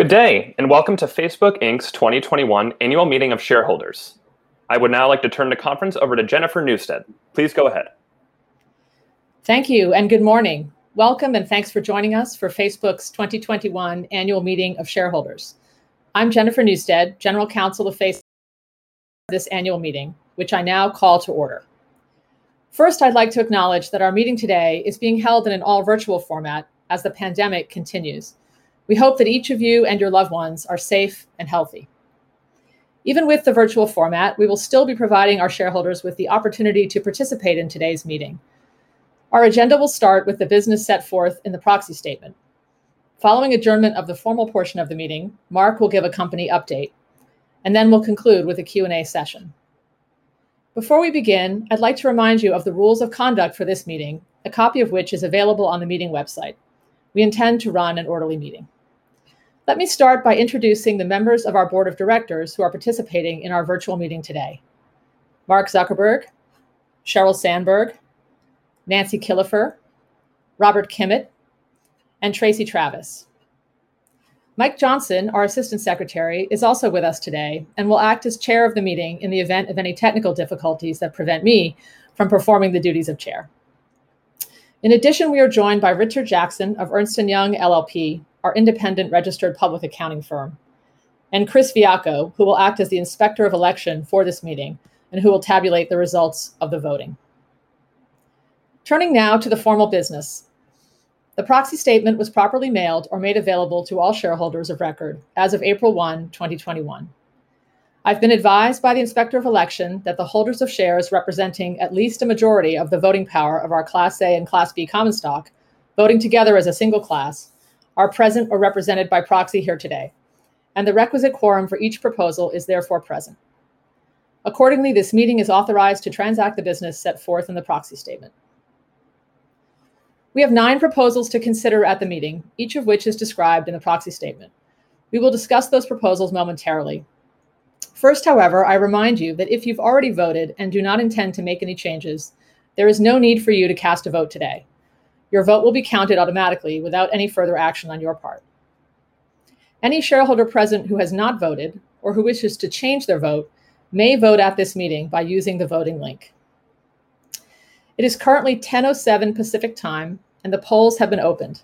Good day, welcome to Facebook, Inc. 2021 Annual Meeting of Shareholders. I would now like to turn the conference over to Jennifer Newstead. Please go ahead. Thank you. Good morning. Welcome. Thanks for joining us for Facebook's 2021 annual meeting of shareholders. I'm Jennifer Newstead, General Counsel of this annual meeting, which I now call to order. First, I'd like to acknowledge that our meeting today is being held in an all-virtual format as the pandemic continues. We hope that each of you and your loved ones are safe and healthy. Even with the virtual format, we will still be providing our shareholders with the opportunity to participate in today's meeting. Our agenda will start with the business set forth in the proxy statement. Following adjournment of the formal portion of the meeting, Mark will give a company update, and then we'll conclude with a Q&A session. Before we begin, I'd like to remind you of the rules of conduct for this meeting, a copy of which is available on the meeting website. We intend to run an orderly meeting. Let me start by introducing the members of our board of directors who are participating in our virtual meeting today: Mark Zuckerberg, Sheryl Sandberg, Nancy Killefer, Robert Kimmitt, and Tracey Travis. Michael Johnson, our assistant secretary, is also with us today and will act as chair of the meeting in the event of any technical difficulties that prevent me from performing the duties of chair. We are joined by Richard Jackson of Ernst & Young LLP, our independent registered public accounting firm, and Chris Fiacco, who will act as the Inspector of election for this meeting and who will tabulate the results of the voting. Turning now to the formal business, the proxy statement was properly mailed or made available to all shareholders of record as of April 1, 2021. I've been advised by the inspector of election that the holders of shares representing at least a majority of the voting power of our Class A and Class B common stock, voting together as a single class, are present or represented by proxy here today, and the requisite quorum for each proposal is therefore present. This meeting is authorized to transact the business set forth in the proxy statement. We have nine proposals to consider at the meeting, each of which is described in the proxy statement. We will discuss those proposals momentarily. First, however, I remind you that if you've already voted and do not intend to make any changes, there is no need for you to cast a vote today. Your vote will be counted automatically without any further action on your part. Any shareholder present who has not voted or who wishes to change their vote may vote at this meeting by using the voting link. It is currently 10:07 A.M. Pacific Time. The polls have been opened.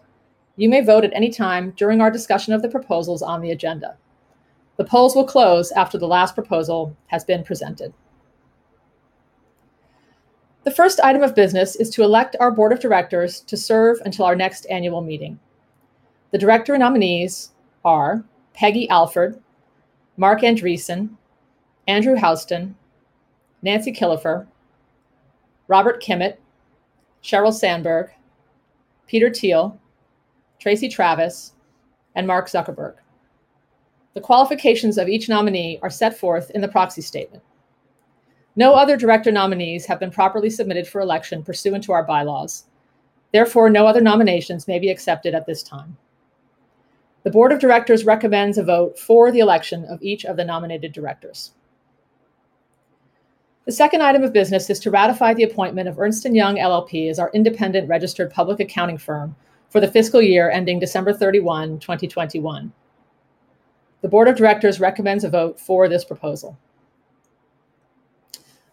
You may vote at any time during our discussion of the proposals on the agenda. The polls will close after the last proposal has been presented. The first item of business is to elect our board of directors to serve until our next annual meeting. The director nominees are Peggy Alford, Marc Andreessen, Andrew Houston, Nancy Killefer, Robert Kimmitt, Sheryl Sandberg, Peter Thiel, Tracey Travis, and Mark Zuckerberg. The qualifications of each nominee are set forth in the proxy statement. No other director nominees have been properly submitted for election pursuant to our bylaws, therefore, no other nominations may be accepted at this time. The board of directors recommends a vote for the election of each of the nominated directors. The second item of business is to ratify the appointment of Ernst & Young LLP as our independent registered public accounting firm for the fiscal year ending December 31, 2021. The board of directors recommends a vote for this proposal.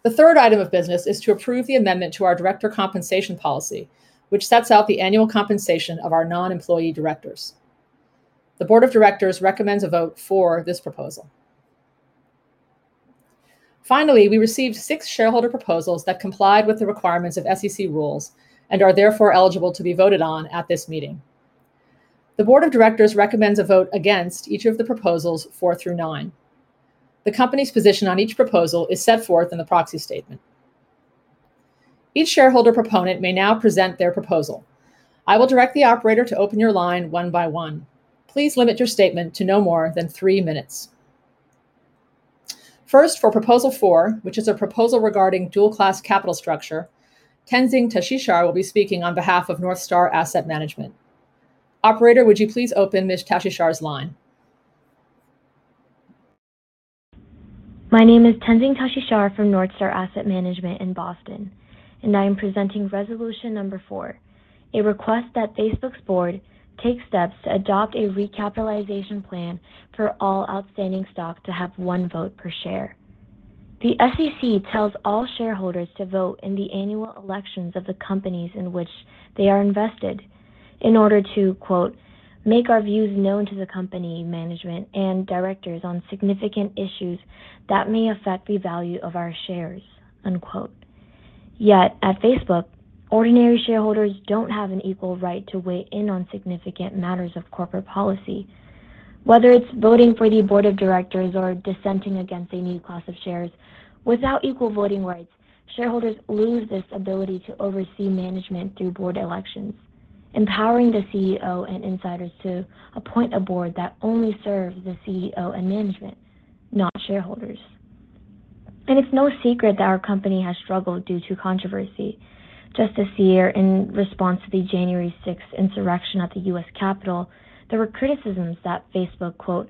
The third item of business is to approve the amendment to our director compensation policy, which sets out the annual compensation of our non-employee directors. The board of directors recommends a vote for this proposal. Finally, we received six shareholder proposals that complied with the requirements of SEC rules and are therefore eligible to be voted on at this meeting. The board of directors recommends a vote against each of the proposals four through nine. The company's position on each proposal is set forth in the proxy statement. Each shareholder proponent may now present their proposal. I will direct the operator to open your line one by one. Please limit your statement to no more than three minutes. First, for proposal four, which is a proposal regarding dual-class stock structure, Tenzing Tashishar will be speaking on behalf of NorthStar Asset Management. Operator, would you please open Ms. Tashishar's line? My name is Tenzing Tashishar from NorthStar Asset Management in Boston. I am presenting resolution number four, a request that Meta Platforms's Board take steps to adopt a recapitalization plan for all outstanding stock to have one vote per share. The SEC tells all shareholders to vote in the annual elections of the companies in which they are invested in order to, quote, "Make our views known to the company management and directors on significant issues that may affect the value of our shares," unquote. At Meta Platforms, ordinary shareholders don't have an equal right to weigh in on significant matters of corporate policy. Whether it's voting for the board of directors or dissenting against a new class of shares, without equal voting rights, shareholders lose this ability to oversee management through board elections, empowering the CEO and insiders to appoint a board that only serves the CEO and management, not shareholders. It's no secret that our company has struggled due to controversy. Just this year, in response to the January 6th insurrection at the US Capitol, there were criticisms that Facebook,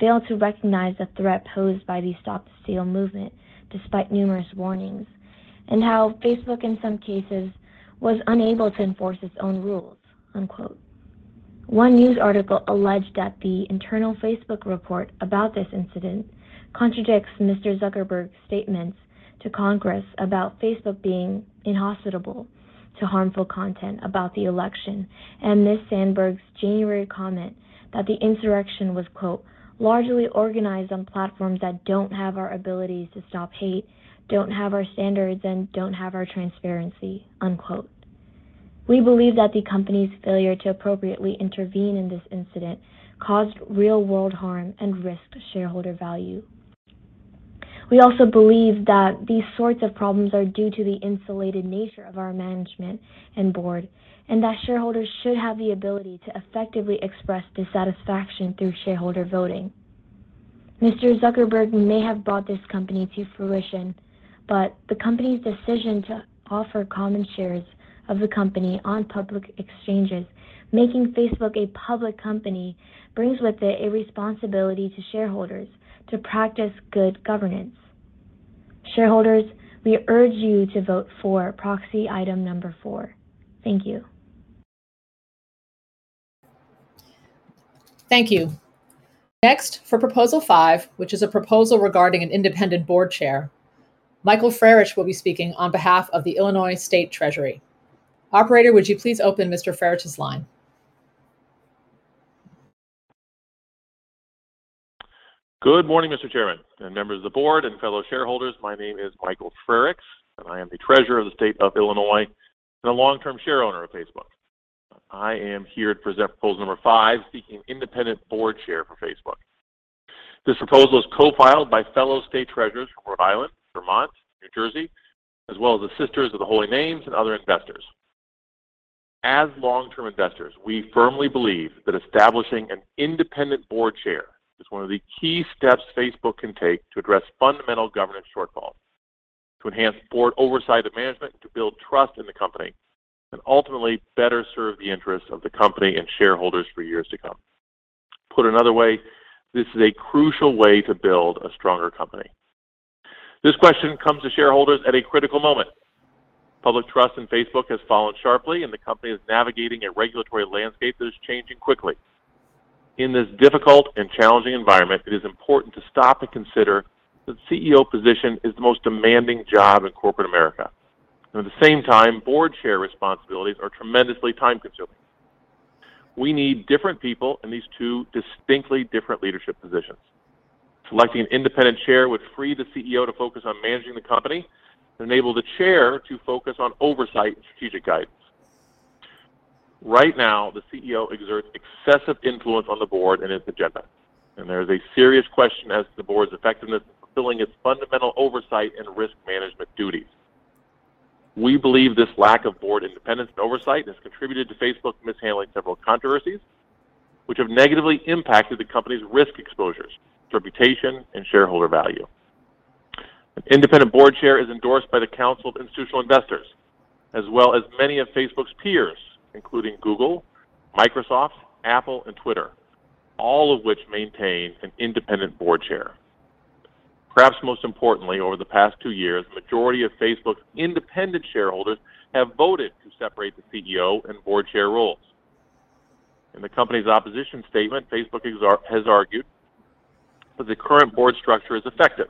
"Failed to recognize the threat posed by the Stop the Steal movement despite numerous warnings, and how Facebook in some cases was unable to enforce its own rules. One news article alleged that the internal Facebook report about this incident contradicts Mr. Zuckerberg's statements to Congress about Facebook being inhospitable to harmful content about the election and Ms. Sandberg's January comment that the insurrection was, quote, largely organized on platforms that don't have our abilities to stop hate, don't have our standards, and don't have our transparency, unquote. We believe that the company's failure to appropriately intervene in this incident caused real-world harm and risked shareholder value. We also believe that these sorts of problems are due to the insulated nature of our management and board, and that shareholders should have the ability to effectively express dissatisfaction through shareholder voting. Mr. Zuckerberg may have brought this company to fruition, but the company's decision to offer common shares of the company on public exchanges, making Facebook a public company, brings with it a responsibility to shareholders to practice good governance. Shareholders, we urge you to vote for proxy item number four. Thank you. Thank you. Next, for proposal five, which is a proposal regarding an independent board chair, Michael Frerichs will be speaking on behalf of the Illinois State Treasurer. Operator, would you please open Mr. Frerichs' line? Good morning, Mr. Chairman, and members of the board, and fellow shareholders. My name is Michael Frerichs, and I am the Treasurer of the State of Illinois and a long-term shareowner of Facebook. I am here to present proposal number five, seeking independent board chair for Facebook. This proposal is co-filed by fellow state treasurers from Rhode Island, Vermont, New Jersey, as well as the Sisters of the Holy Names and other investors. As long-term investors, we firmly believe that establishing an independent board chair is one of the key steps Facebook can take to address fundamental governance shortfalls, to enhance board oversight of management, to build trust in the company, and ultimately better serve the interests of the company and shareholders for years to come. Put another way, this is a crucial way to build a stronger company. This question comes to shareholders at a critical moment. Public trust in Facebook has fallen sharply, and the company is navigating a regulatory landscape that is changing quickly. In this difficult and challenging environment, it is important to stop and consider the CEO position is the most demanding job in corporate America. At the same time, board chair responsibilities are tremendously time-consuming. We need different people in these two distinctly different leadership positions. Selecting an independent chair would free the CEO to focus on managing the company and enable the chair to focus on oversight and strategic guidance. Right now, the CEO exerts excessive influence on the board and its agenda, and there is a serious question as to the board's effectiveness fulfilling its fundamental oversight and risk management duties. We believe this lack of board independence and oversight has contributed to Facebook mishandling several controversies which have negatively impacted the company's risk exposures, reputation, and shareholder value. An independent board chair is endorsed by the Council of Institutional Investors, as well as many of Facebook's peers, including Google, Microsoft, Apple, and Twitter, all of which maintain an independent board chair. Perhaps most importantly, over the past two years, the majority of Facebook's independent shareholders have voted to separate the CEO and board chair roles. In the company's opposition statement, Facebook has argued that the current board structure is effective,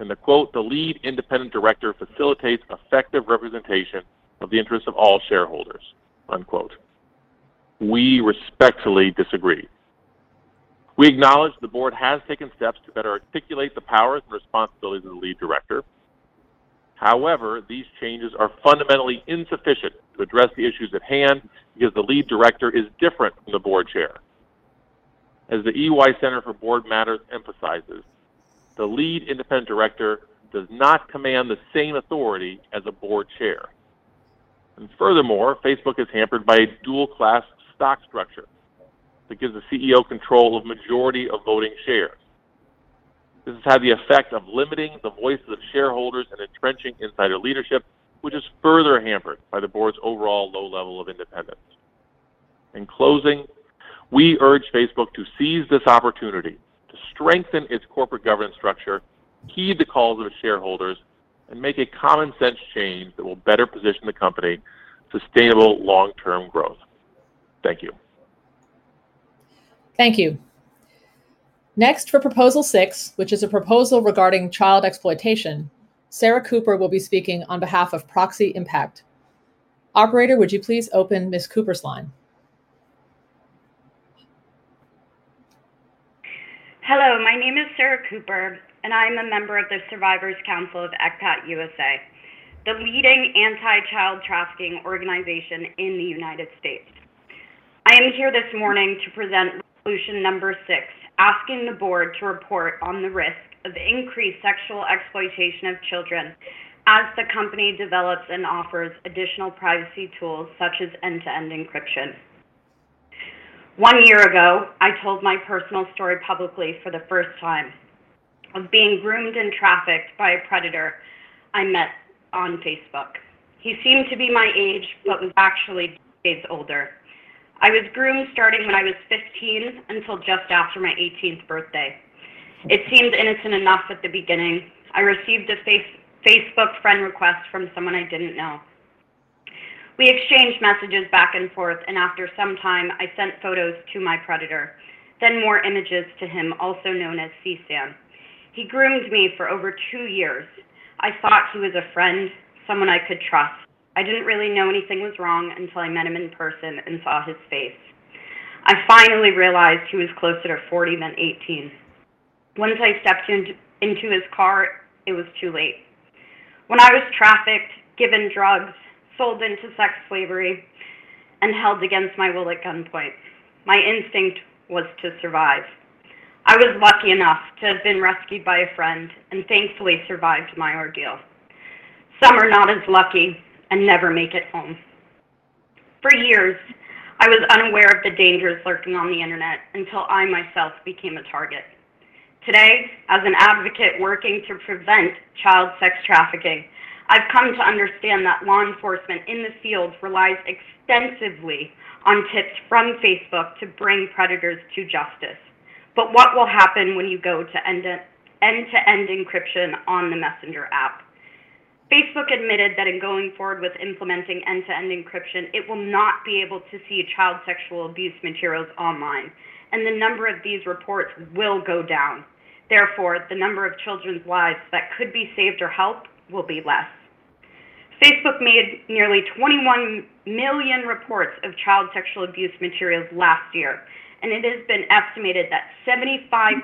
and that, quote, the lead independent director facilitates effective representation of the interests of all shareholders, unquote. We respectfully disagree. We acknowledge the board has taken steps to better articulate the powers and responsibilities of the lead director. However, these changes are fundamentally insufficient to address the issues at hand because the lead director is different from the board chair. As the EY Center for Board Matters emphasizes, the lead independent director does not command the same authority as a board chair. Furthermore, Facebook is hampered by a dual-class stock structure that gives the CEO control of majority of voting shares. This has had the effect of limiting the voices of shareholders and entrenching insider leadership, which is further hampered by the board's overall low level of independence. In closing, we urge Facebook to seize this opportunity to strengthen its corporate governance structure, heed the calls of its shareholders, and make a common sense change that will better position the company for sustainable long-term growth. Thank you. Thank you. Next, for proposal six, which is a proposal regarding child exploitation, Sarah Cooper will be speaking on behalf of Proxy Impact. Operator, would you please open Ms. Cooper's line? Hello, my name is Sarah Cooper, and I am a member of the Survivors Council of ECPAT-USA, the leading anti-child trafficking organization in the United States. I am here this morning to present resolution number six, asking the board to report on the risk of increased sexual exploitation of children as the company develops and offers additional privacy tools such as end-to-end encryption. One year ago, I told my personal story publicly for the first time of being groomed and trafficked by a predator I met on Facebook. He seemed to be my age, but was actually days older. I was groomed starting when I was 15 until just after my 18th birthday. It seemed innocent enough at the beginning. I received a Facebook friend request from someone I didn't know. We exchanged messages back and forth, and after some time, I sent photos to my predator, then more images to him, also known as CSAM. He groomed me for over two years. I thought he was a friend, someone I could trust. I didn't really know anything was wrong until I met him in person and saw his face. I finally realized he was closer to 40 than 18. Once I stepped into his car, it was too late. When I was trafficked, given drugs, sold into sex slavery, and held against my will at gunpoint, my instinct was to survive. I was lucky enough to have been rescued by a friend and thankfully survived my ordeal. Some are not as lucky and never make it home. For years, I was unaware of the dangers lurking on the Internet until I myself became a target. Today, as an advocate working to prevent child sex trafficking, I've come to understand that law enforcement in the field relies extensively on tips from Facebook to bring predators to justice. What will happen when you go to end-to-end encryption on the Messenger app? Facebook admitted that in going forward with implementing end-to-end encryption, it will not be able to see child sexual abuse materials online, and the number of these reports will go down. Therefore, the number of children's lives that could be saved or helped will be less. Facebook made nearly 21 million reports of child sexual abuse materials last year, and it has been estimated that 75%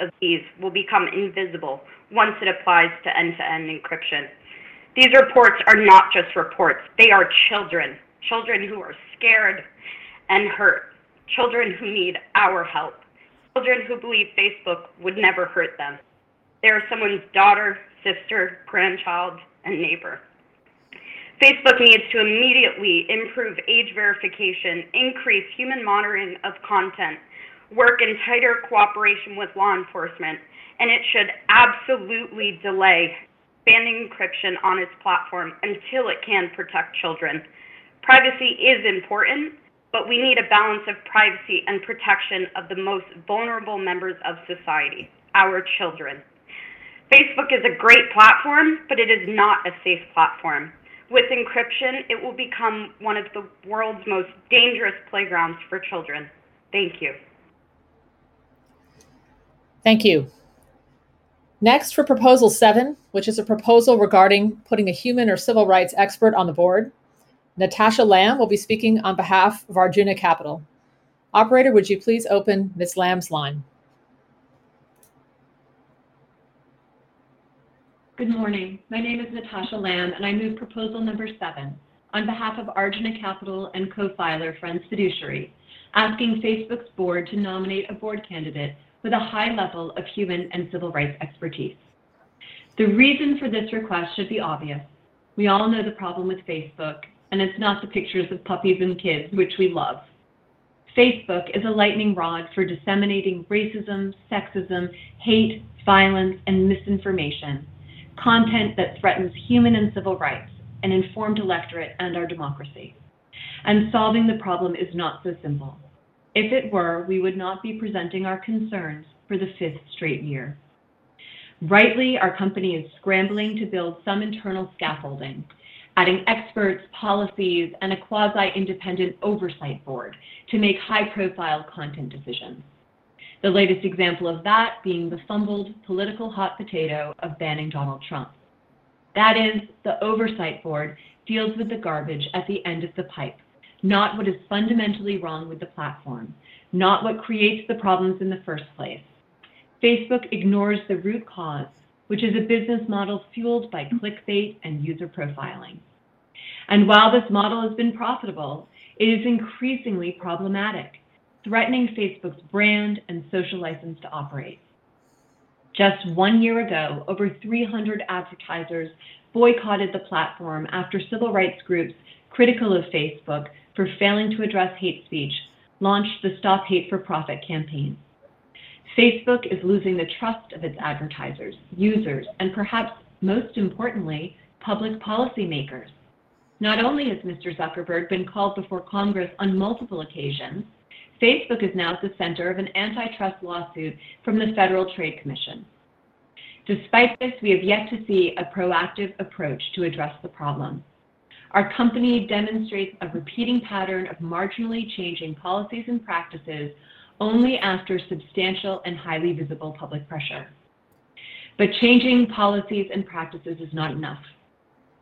of these will become invisible once it applies to end-to-end encryption. These reports are not just reports. They are children. Children who are scared and hurt, children who need our help, children who believe Facebook would never hurt them. They are someone's daughter, sister, grandchild, and neighbor. Facebook needs to immediately improve age verification, increase human monitoring of content, work in tighter cooperation with law enforcement, and it should absolutely delay banning encryption on its platform until it can protect children. Privacy is important, but we need a balance of privacy and protection of the most vulnerable members of society, our children. Facebook is a great platform, but it is not a safe platform. With encryption, it will become one of the world's most dangerous playgrounds for children. Thank you. Thank you. Next, for proposal seven, which is a proposal regarding putting a human or civil rights expert on the board, Natasha Lamb will be speaking on behalf of Arjuna Capital. Operator, would you please open Ms. Lamb's line? Good morning. My name is Natasha Lamb, and I move proposal number seven on behalf of Arjuna Capital and co-filer Friends Fiduciary, asking Facebook's board to nominate a board candidate with a high level of human and civil rights expertise. The reason for this request should be obvious. We all know the problem with Facebook, and it's not the pictures of puppies and kids, which we love. Facebook is a lightning rod for disseminating racism, sexism, hate, violence, and misinformation, content that threatens human and civil rights, an informed electorate, and our democracy. Solving the problem is not so simple. If it were, we would not be presenting our concerns for the fifth straight year. Rightly, our company is scrambling to build some internal scaffolding, adding experts, policies, and a quasi-independent Oversight Board to make high-profile content decisions. The latest example of that being the fumbled political hot potato of banning Donald Trump. That is, the Oversight Board deals with the garbage at the end of the pipe, not what is fundamentally wrong with the platform, not what creates the problems in the first place. Facebook ignores the root cause, which is a business model fueled by clickbait and user profiling. While this model has been profitable, it is increasingly problematic, threatening Facebook's brand and social license to operate. Just one year ago, over 300 advertisers boycotted the platform after civil rights groups critical of Facebook for failing to address hate speech launched the Stop Hate for Profit campaign. Facebook is losing the trust of its advertisers, users, and perhaps most importantly, public policymakers. Not only has Mr. Zuckerberg been called before Congress on multiple occasions, Facebook is now at the center of an antitrust lawsuit from the Federal Trade Commission. Despite this, we have yet to see a proactive approach to address the problem. Our company demonstrates a repeating pattern of marginally changing policies and practices only after substantial and highly visible public pressure. Changing policies and practices is not enough.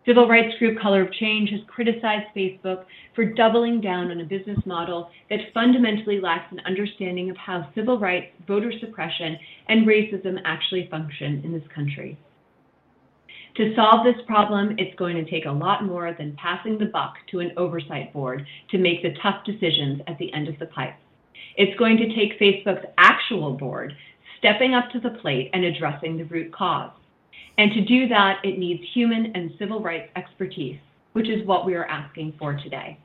Civil rights group Color of Change has criticized Facebook for doubling down on a business model that fundamentally lacks an understanding of how civil rights, voter suppression, and racism actually function in this country. To solve this problem, it's going to take a lot more than passing the buck to an Oversight Board to make the tough decisions at the end of the pipe. It's going to take Facebook's actual board stepping up to the plate and addressing the root cause. To do that, it needs human and civil rights expertise, which is what we are asking for today.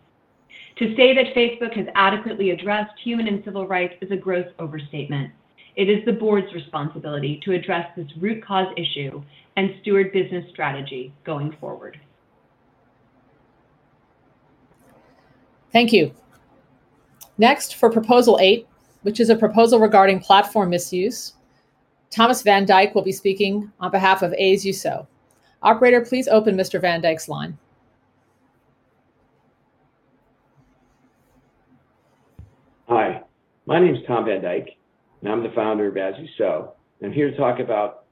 To say that Facebook has adequately addressed human and civil rights is a gross overstatement. It is the board's responsibility to address this root cause issue and steward business strategy going forward. Thank you. Next, for proposal eight, which is a proposal regarding platform misuse, Thomas Van Dyck will be speaking on behalf of As You Sow. Operator, please open Mr. Van Dyck's line. Hi. My name's Thomas Van Dyck and I'm the Founder of As You Sow. I'm here to talk about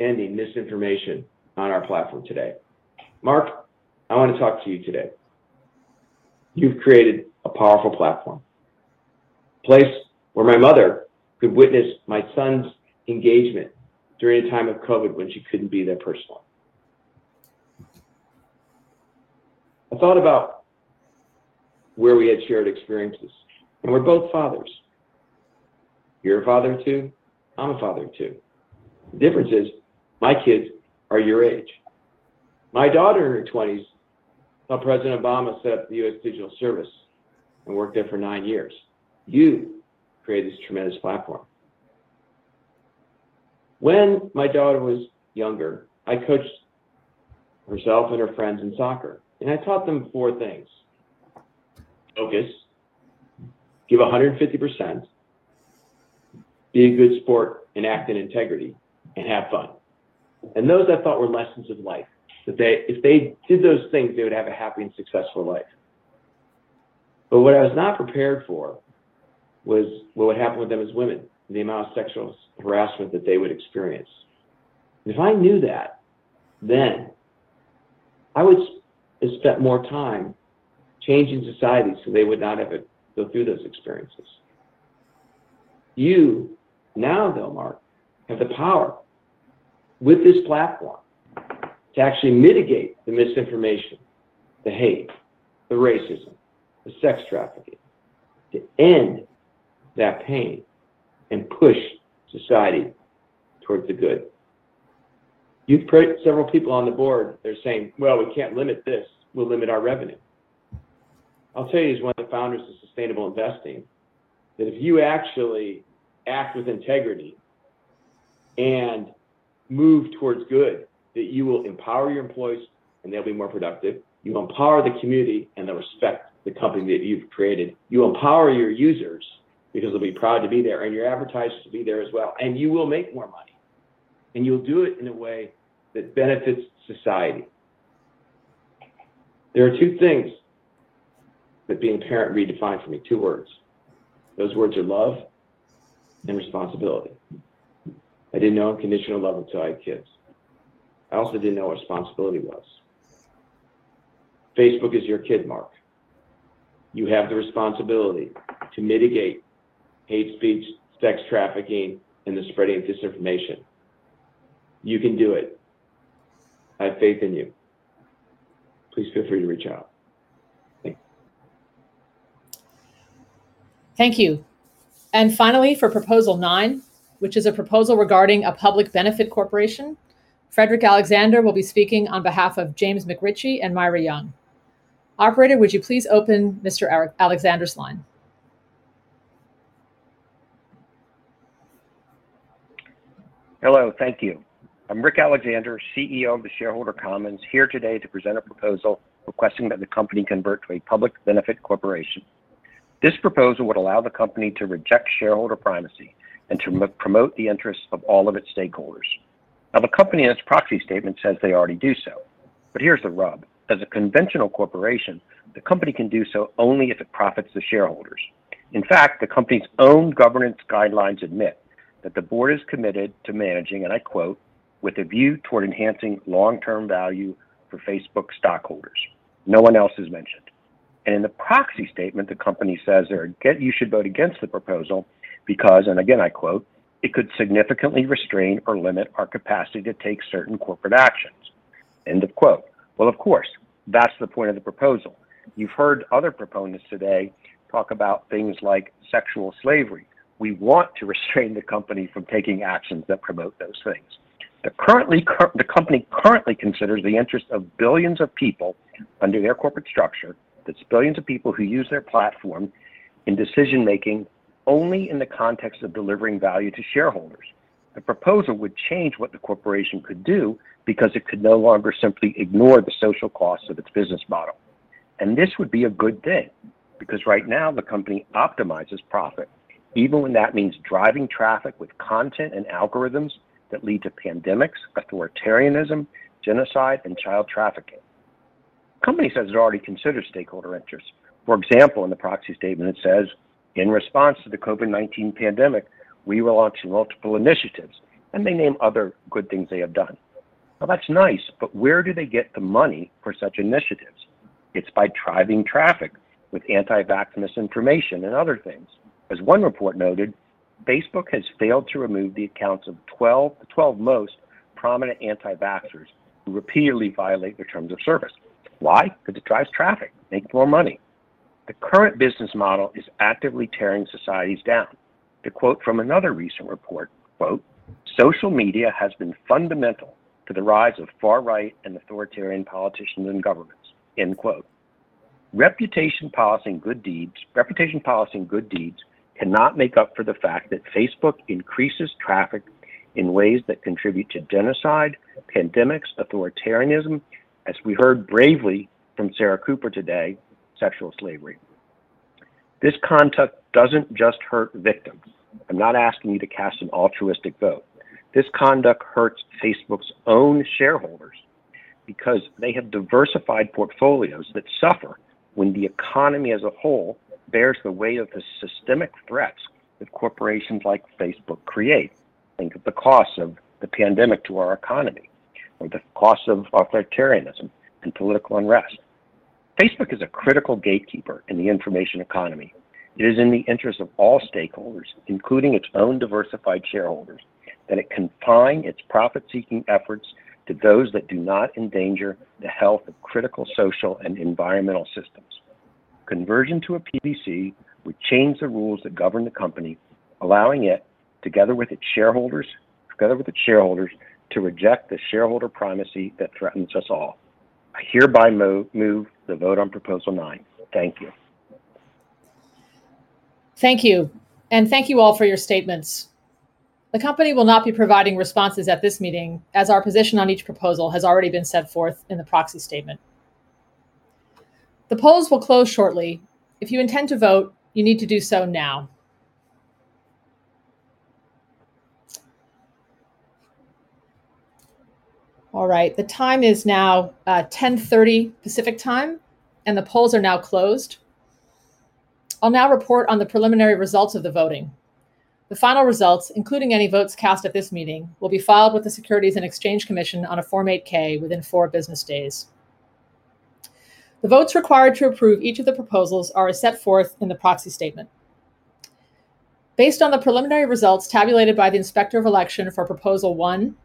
ending misinformation on our platform today. Mark, I wanna talk to you today. You've created a powerful platform, a place where my mother could witness my son's engagement during a time of COVID when she couldn't be there personally. I thought about where we had shared experiences, and we're both fathers. You're a father too, I'm a father too. The difference is my kids are your age. My daughter in her 20s, while President Obama set up the US Digital Service and worked there for nine years. You created this tremendous platform. When my daughter was younger, I coached herself and her friends in soccer, I taught them four things, focus, give 150%, be a good sport and act in integrity, and have fun. Those I thought were lessons of life, that they, if they did those things, they would have a happy and successful life. What I was not prepared for was what would happen with them as women, the amount of sexual harassment that they would experience. If I knew that then, I would have spent more time changing society so they would not have had to go through those experiences. You now though, Mark, have the power with this platform to actually mitigate the misinformation, the hate, the racism, the sex trafficking, to end that pain and push society towards the good. You've several people on the board, they're saying, "Well, we can't limit this. We'll limit our revenue." I'll tell you as one of the founders of sustainable investing, that if you actually act with integrity and move towards good, that you will empower your employees and they'll be more productive. You empower the community and they'll respect the company that you've created. You empower your users because they'll be proud to be there, and your advertisers to be there as well. You will make more money, and you'll do it in a way that benefits society. There are two things that being a parent redefined for me, two words. Those words are love and responsibility. I didn't know unconditional love until I had kids. I also didn't know what responsibility was. Facebook is your kid, Mark. You have the responsibility to mitigate hate speech, sex trafficking, and the spreading of disinformation. You can do it. I have faith in you. Please feel free to reach out. Thank you. Thank you. Finally, for proposal nine, which is a proposal regarding a public benefit corporation, Frederick Alexander will be speaking on behalf of James McRitchie and Myra Young. Operator, would you please open Mr. Alexander's line? Hello. Thank you. I'm Rick Alexander, CEO of The Shareholder Commons, here today to present a proposal requesting that the company convert to a public benefit corporation. This proposal would allow the company to reject shareholder primacy and to promote the interests of all of its stakeholders. The company in its proxy statement says they already do so. Here's the rub. As a conventional corporation, the company can do so only if it profits the shareholders. In fact, the company's own governance guidelines admit that the board is committed to managing, and I quote, "With a view toward enhancing long-term value for Facebook stockholders." No one else is mentioned. In the proxy statement, the company says you should vote against the proposal because, and again I quote, "It could significantly restrain or limit our capacity to take certain corporate actions." End of quote. Of course, that's the point of the proposal. You've heard other proponents today talk about things like sexual slavery. We want to restrain the company from taking actions that promote those things. The company currently considers the interest of billions of people under their corporate structure. That's billions of people who use their platform in decision-making only in the context of delivering value to shareholders. The proposal would change what the corporation could do because it could no longer simply ignore the social costs of its business model. This would be a good thing, because right now the company optimizes profit, even when that means driving traffic with content and algorithms that lead to pandemics, authoritarianism, genocide, and child trafficking. Company says it already considers stakeholder interests. For example, in the proxy statement it says, "In response to the COVID-19 pandemic, we relaunched multiple initiatives," and they name other good things they have done. Now, that's nice, but where do they get the money for such initiatives? It's by driving traffic with anti-vax misinformation and other things. As one report noted, Facebook has failed to remove the accounts of 12, the 12 most prominent anti-vaxxers who repeatedly violate their terms of service. Why? Because it drives traffic, makes more money. The current business model is actively tearing societies down. To quote from another recent report, quote, "Social media has been fundamental to the rise of far right and authoritarian politicians and governments." End quote. Reputation policy and good deeds cannot make up for the fact that Facebook increases traffic in ways that contribute to genocide, pandemics, authoritarianism, as we heard bravely from Sarah Cooper today, sexual slavery. This conduct doesn't just hurt victims. I'm not asking you to cast an altruistic vote. This conduct hurts Facebook's own shareholders because they have diversified portfolios that suffer when the economy as a whole bears the weight of the systemic threats that corporations like Facebook create. Think of the cost of the pandemic to our economy or the cost of authoritarianism and political unrest. Facebook is a critical gatekeeper in the information economy. It is in the interest of all stakeholders, including its own diversified shareholders, that it confine its profit-seeking efforts to those that do not endanger the health of critical social and environmental systems. Conversion to a PBC would change the rules that govern the company, allowing it, together with its shareholders, to reject the shareholder primacy that threatens us all. I hereby move the vote on proposal nine. Thank you. Thank you, thank you all for your statements. The company will not be providing responses at this meeting, as our position on each proposal has already been set forth in the proxy statement. The polls will close shortly. If you intend to vote, you need to do so now. All right. The time is now 10:30 A.M. Pacific Time, and the polls are now closed. I'll now report on the preliminary results of the voting. The final results, including any votes cast at this meeting, will be filed with the Securities and Exchange Commission on a Form 8-K within four business days. The votes required to approve each of the proposals are as set forth in the proxy statement. Based on the preliminary results tabulated by the Inspector of Election for proposal one,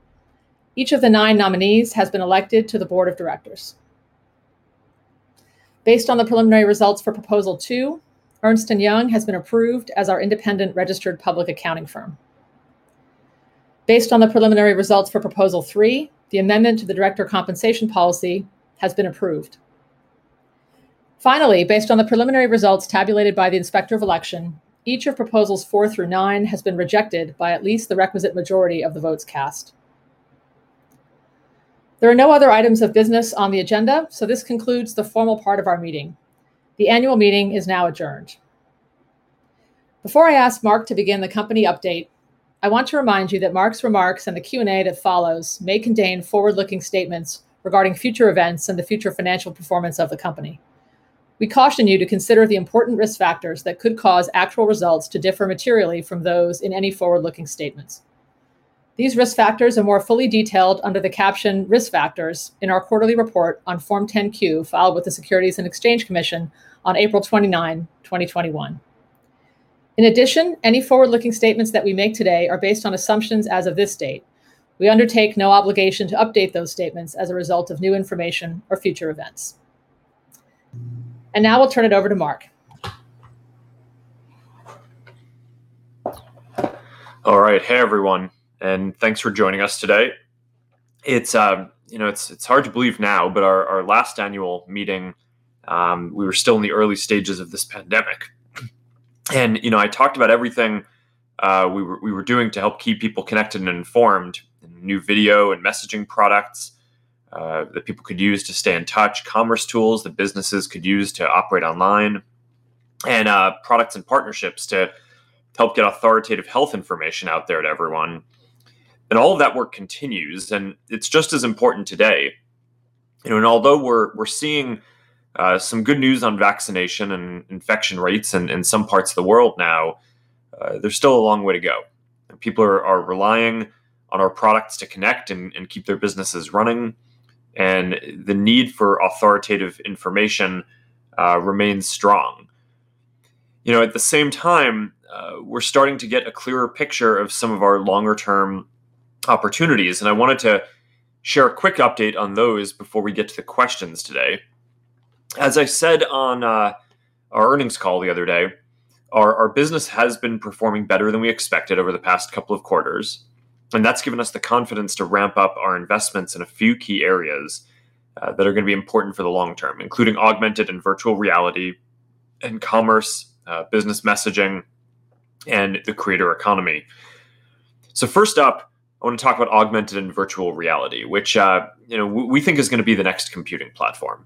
each of the nine nominees has been elected to the board of directors. Based on the preliminary results for proposal two, Ernst & Young has been approved as our independent registered public accounting firm. Based on the preliminary results for proposal three, the amendment to the director compensation policy has been approved. Finally, based on the preliminary results tabulated by the Inspector of Election, each of proposals four through nine has been rejected by at least the requisite majority of the votes cast. There are no other items of business on the agenda, so this concludes the formal part of our meeting. The annual meeting is now adjourned. Before I ask Mark to begin the company update, I want to remind you that Mark's remarks and the Q&A that follows may contain forward-looking statements regarding future events and the future financial performance of the company. We caution you to consider the important risk factors that could cause actual results to differ materially from those in any forward-looking statements. These risk factors are more fully detailed under the caption Risk Factors in our quarterly report on Form 10-Q filed with the Securities and Exchange Commission on April 29, 2021. In addition, any forward-looking statements that we make today are based on assumptions as of this date. We undertake no obligation to update those statements as a result of new information or future events. Now I'll turn it over to Mark. All right. Hey, everyone, and thanks for joining us today. It's, you know, it's hard to believe now, but our last annual meeting, we were still in the early stages of this pandemic. You know, I talked about everything we were doing to help keep people connected and informed, new video and messaging products that people could use to stay in touch, commerce tools that businesses could use to operate online, and products and partnerships to help get authoritative health information out there to everyone. All of that work continues, and it's just as important today. You know, although we're seeing some good news on vaccination and infection rates in some parts of the world now, there's still a long way to go. People are relying on our products to connect and keep their businesses running, and the need for authoritative information remains strong. You know, at the same time, we're starting to get a clearer picture of some of our longer term opportunities. I wanted to share a quick update on those before we get to the questions today. As I said on our earnings call the other day, our business has been performing better than we expected over the past couple of quarters. That's given us the confidence to ramp up our investments in a few key areas that are gonna be important for the long term, including augmented and virtual reality and commerce, business messaging, and the creator economy. First up, I want to talk about augmented and virtual reality, which, you know, we think is gonna be the next computing platform.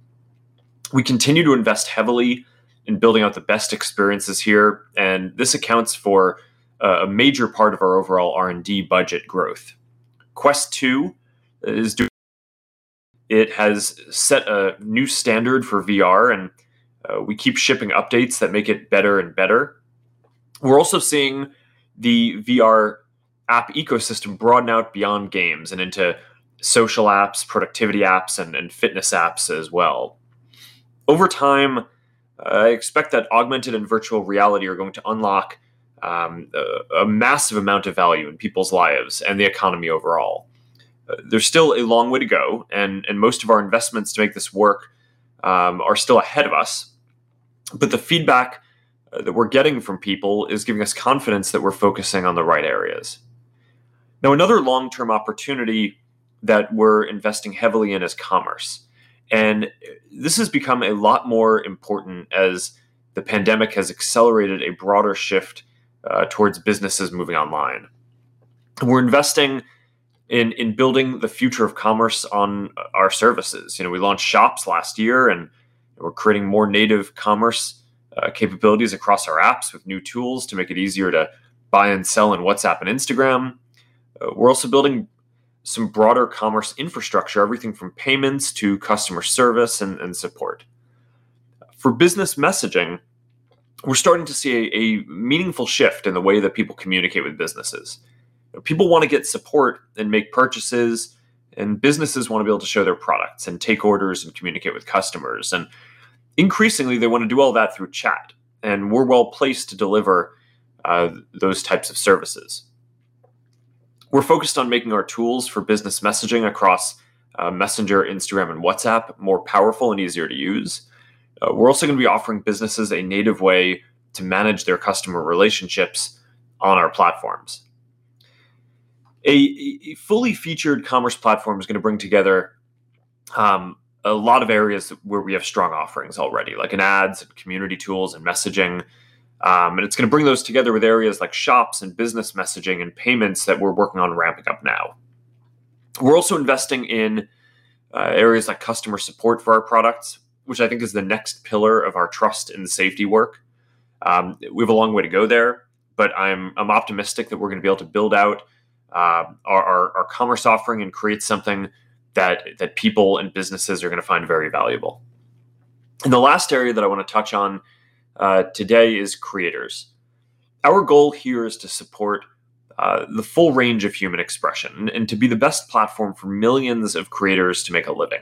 We continue to invest heavily in building out the best experiences here, and this accounts for a major part of our overall R&D budget growth. Quest 2 is due. It has set a new standard for VR, and we keep shipping updates that make it better and better. We're also seeing the VR app ecosystem broaden out beyond games and into social apps, productivity apps, and fitness apps as well. Over time, I expect that augmented and virtual reality are going to unlock a massive amount of value in people's lives and the economy overall. There's still a long way to go, and most of our investments to make this work are still ahead of us. The feedback that we're getting from people is giving us confidence that we're focusing on the right areas. Another long-term opportunity that we're investing heavily in is commerce, and this has become a lot more important as the pandemic has accelerated a broader shift towards businesses moving online. We're investing in building the future of commerce on our services. You know, we launched Shops last year, and we're creating more native commerce capabilities across our apps with new tools to make it easier to buy and sell in WhatsApp and Instagram. We're also building some broader commerce infrastructure, everything from payments to customer service and support. For business messaging, we're starting to see a meaningful shift in the way that people communicate with businesses. People wanna get support and make purchases, and businesses wanna be able to show their products and take orders and communicate with customers. Increasingly, they wanna do all that through chat, and we're well-placed to deliver those types of services. We're focused on making our tools for business messaging across Messenger, Instagram, and WhatsApp more powerful and easier to use. We're also gonna be offering businesses a native way to manage their customer relationships on our platforms. A fully featured commerce platform is gonna bring together a lot of areas where we have strong offerings already, like in ads, community tools, and messaging. It's gonna bring those together with areas like Shops and business messaging and payments that we're working on ramping up now. We're also investing in areas like customer support for our products, which I think is the next pillar of our trust and safety work. We have a long way to go there, but I'm optimistic that we're gonna be able to build out our commerce offering and create something that people and businesses are gonna find very valuable. The last area that I wanna touch on today is creators. Our goal here is to support the full range of human expression and to be the best platform for millions of creators to make a living.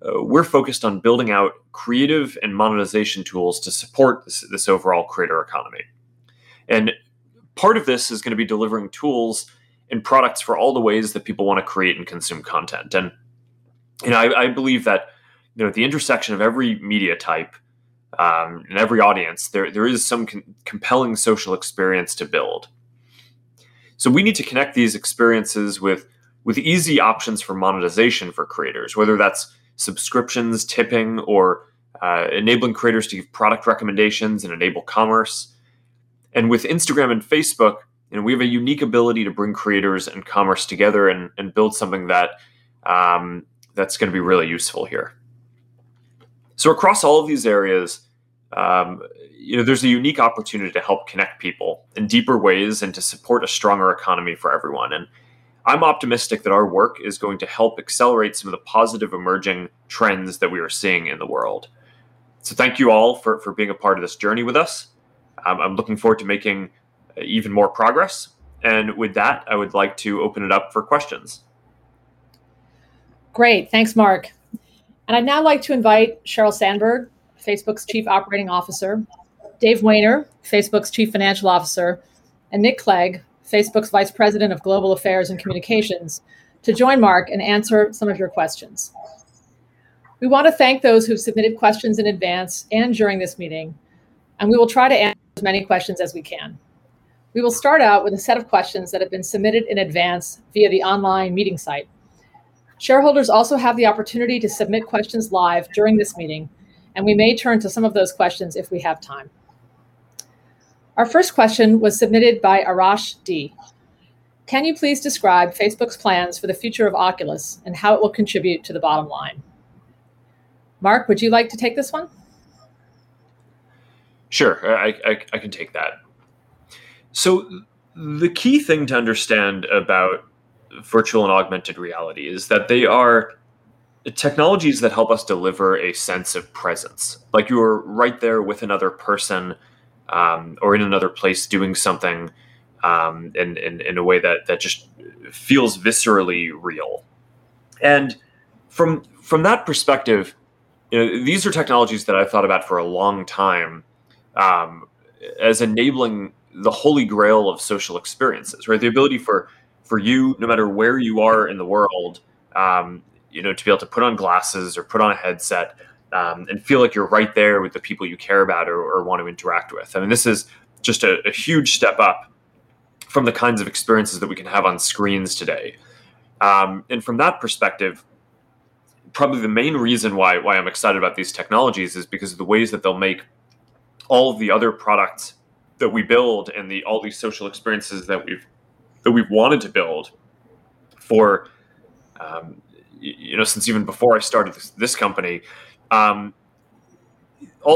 We're focused on building out creative and monetization tools to support this overall creator economy. Part of this is gonna be delivering tools and products for all the ways that people wanna create and consume content. You know, I believe that, you know, at the intersection of every media type, and every audience, there is some compelling social experience to build. We need to connect these experiences with easy options for monetization for creators, whether that's subscriptions, tipping, or enabling creators to give product recommendations and enable commerce. With Instagram and Facebook, you know, we have a unique ability to bring creators and commerce together and build something that's going to be really useful here. Across all of these areas, you know, there's a unique opportunity to help connect people in deeper ways and to support a stronger economy for everyone, and I'm optimistic that our work is going to help accelerate some of the positive emerging trends that we are seeing in the world. Thank you all for being a part of this journey with us. I'm looking forward to making even more progress. With that, I would like to open it up for questions. Great. Thanks, Mark. I'd now like to invite Sheryl Sandberg, Facebook's Chief Operating Officer, Dave Wehner, Facebook's Chief Financial Officer, and Nick Clegg, Facebook's Vice President of Global Affairs and Communications, to join Mark and answer some of your questions. We want to thank those who've submitted questions in advance and during this meeting, we will try to answer as many questions as we can. We will start out with a set of questions that have been submitted in advance via the online meeting site. Shareholders also have the opportunity to submit questions live during this meeting, we may turn to some of those questions if we have time. Our first question was submitted by Arash D. "Can you please describe Facebook's plans for the future of Oculus and how it will contribute to the bottom line?" Mark, would you like to take this one? Sure. I can take that. The key thing to understand about virtual and augmented reality is that they are technologies that help us deliver a sense of presence, like you are right there with another person, or in another place doing something, in a way that just feels viscerally real. From that perspective, you know, these are technologies that I've thought about for a long time, as enabling the holy grail of social experiences, right? The ability for you, no matter where you are in the world, you know, to be able to put on glasses or put on a headset, and feel like you're right there with the people you care about or want to interact with. I mean, this is just a huge step up from the kinds of experiences that we can have on screens today. From that perspective, probably the main reason why I'm excited about these technologies is because of the ways that they'll make all of the other products that we build, all these social experiences that we've wanted to build for, you know, since even before I started this company, all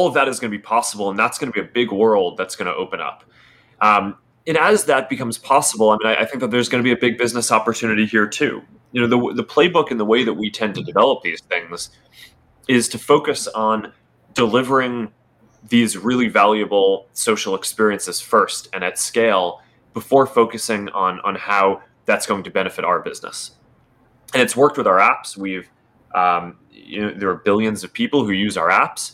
of that is gonna be possible, and that's gonna be a big world that's gonna open up. As that becomes possible, I mean, I think that there's gonna be a big business opportunity here too. You know, the playbook and the way that we tend to develop these things is to focus on delivering these really valuable social experiences first and at scale before focusing on how that's going to benefit our business. It's worked with our apps. We've, you know, there are billions of people who use our apps.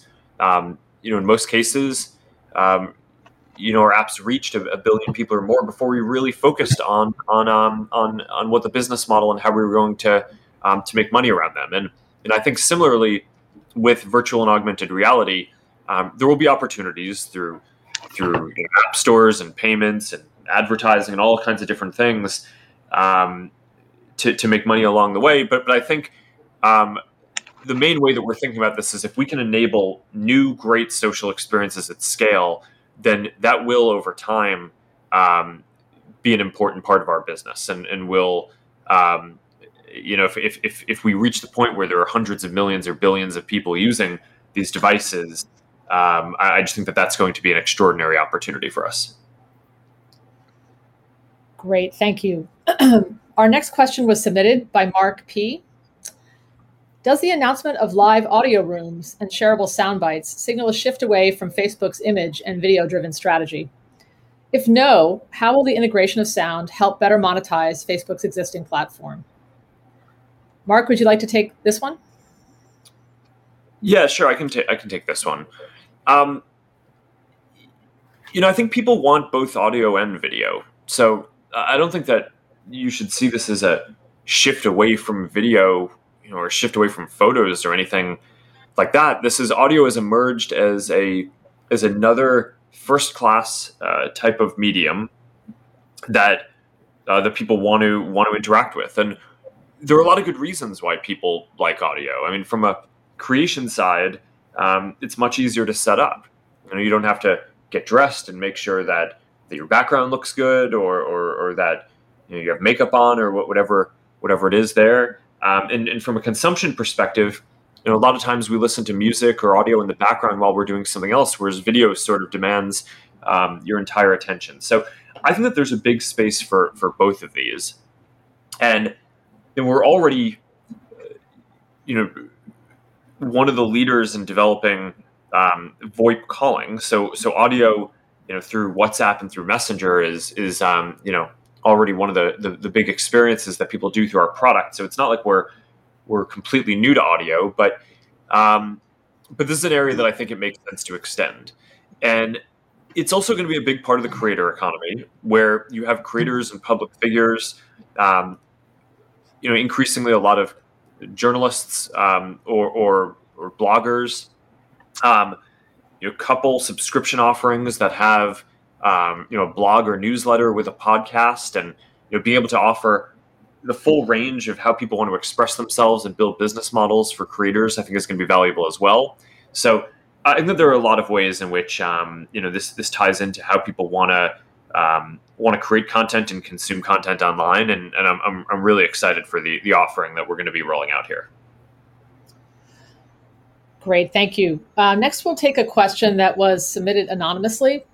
You know, our apps reached 1 billion people or more before we really focused on what the business model and how we were going to make money around them. I think similarly with virtual and augmented reality, there will be opportunities through, you know, app stores and payments and advertising and all kinds of different things to make money along the way. I think, the main way that we're thinking about this is if we can enable new great social experiences at scale, then that will over time be an important part of our business. Will, you know, if we reach the point where there are hundreds of millions or billions of people using these devices, I just think that that's going to be an extraordinary opportunity for us. Great, thank you. Our next question was submitted by Mark P. Does the announcement of live audio rooms and shareable sound bites signal a shift away from Facebook's image and video-driven strategy? If no, how will the integration of sound help better monetize Facebook's existing platform? Mark, would you like to take this one? Yeah, sure. I can take this one. You know, I think people want both audio and video, so I don't think that you should see this as a shift away from video, you know, or a shift away from photos or anything like that. Audio has emerged as another first class type of medium that people want to interact with. There are a lot of good reasons why people like audio. I mean, from a creation side, it's much easier to set up. You know, you don't have to get dressed and make sure that your background looks good or that, you know, you have makeup on or whatever it is there. From a consumption perspective, you know, a lot of times we listen to music or audio in the background while we're doing something else, whereas video sort of demands your entire attention. I think that there's a big space for both of these. We're already, you know, one of the leaders in developing VoIP calling, so audio, you know, through WhatsApp and through Messenger is, you know, already one of the big experiences that people do through our product. It's not like we're completely new to audio. This is an area that I think it makes sense to extend. It's also gonna be a big part of the creator economy, where you have creators and public figures, you know, increasingly a lot of journalists, or, or bloggers, you know, couple subscription offerings that have, you know, a blog or newsletter with a podcast. You know, being able to offer the full range of how people want to express themselves and build business models for creators I think is gonna be valuable as well. I think there are a lot of ways in which, you know, this ties into how people wanna create content and consume content online. I'm, I'm really excited for the offering that we're gonna be rolling out here. Great, thank you. Next we'll take a question that was submitted anonymously.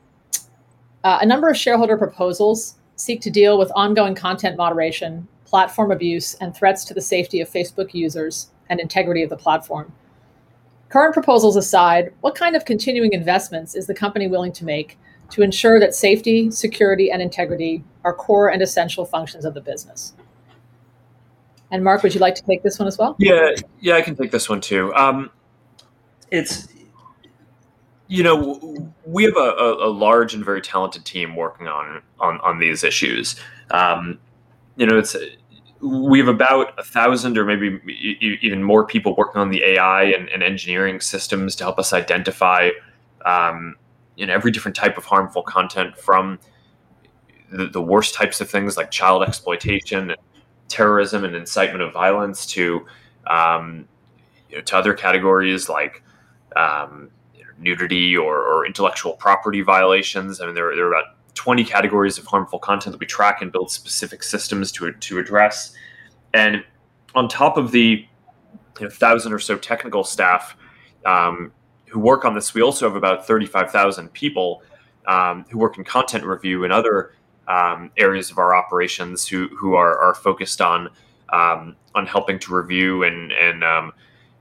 A number of shareholder proposals seek to deal with ongoing content moderation, platform abuse, and threats to the safety of Facebook users and integrity of the platform. Current proposals aside, what kind of continuing investments is the company willing to make to ensure that safety, security, and integrity are core and essential functions of the business? Mark, would you like to take this one as well? Yeah. Yeah, I can take this one, too. It's, you know, we have a large and very talented team working on these issues. You know, it's, we have about 1,000 or maybe even more people working on the AI and engineering systems to help us identify, you know, every different type of harmful content from the worst types of things like child exploitation, terrorism, and incitement of violence to, you know, to other categories like, you know, nudity or intellectual property violations. I mean, there are about 20 categories of harmful content that we track and build specific systems to address. On top of the, you know, 1,000 or so technical staff, who work on this, we also have about 35,000 people, who work in content review and other areas of our operations who are focused on helping to review and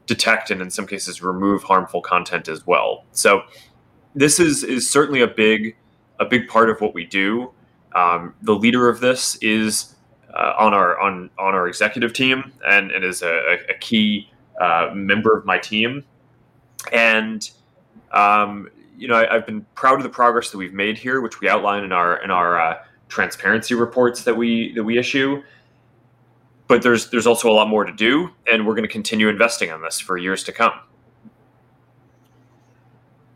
detect and in some cases remove harmful content as well. This is certainly a big part of what we do. The leader of this is on our executive team and is a key member of my team. You know, I've been proud of the progress that we've made here, which we outline in our transparency reports that we issue. There's also a lot more to do, and we're gonna continue investing on this for years to come.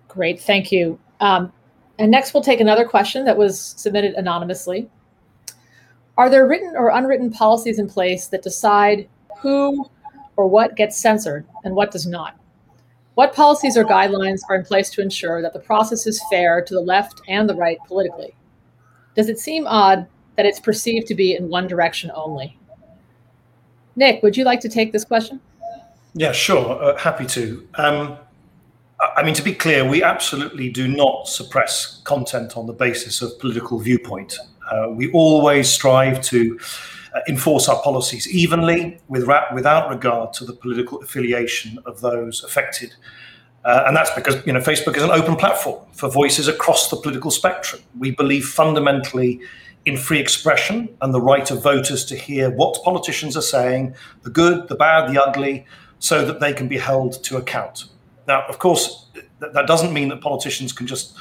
Great, thank you. Next we'll take another question that was submitted anonymously. Are there written or unwritten policies in place that decide who or what gets censored and what does not? What policies or guidelines are in place to ensure that the process is fair to the left and the right politically? Does it seem odd that it's perceived to be in one direction only? Nick Clegg, would you like to take this question? Yeah, sure. Happy to. I mean, to be clear, we absolutely do not suppress content on the basis of political viewpoint. We always strive to enforce our policies evenly without regard to the political affiliation of those affected. That's because, you know, Facebook is an open platform for voices across the political spectrum. We believe fundamentally in free expression and the right of voters to hear what politicians are saying, the good, the bad, the ugly, so that they can be held to account. Now, of course, that doesn't mean that politicians can just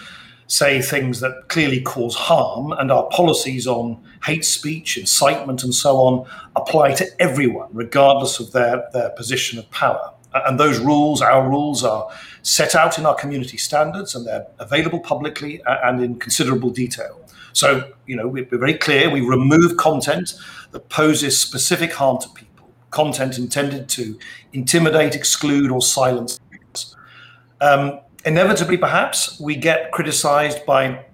say things that clearly cause harm, and our policies on hate speech, incitement, and so on apply to everyone regardless of their position of power. Those rules, our rules are set out in our community standards, and they're available publicly and in considerable detail. You know, we're very clear. We remove content that poses specific harm to people, content intended to intimidate, exclude, or silence views. Inevitably perhaps, we get criticized by